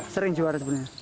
sering juara sebenarnya